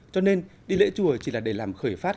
cho nên đi lễ chùa chỉ là để làm khởi phát